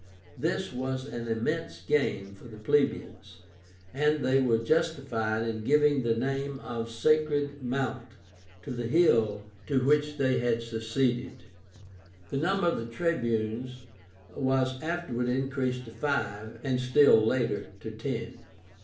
This was an immense gain for the plebeians, and they were justified in giving the name of SACRED MOUNT to the hill to which they had seceded. The number of Tribunes was afterwards increased to five, and still later to ten.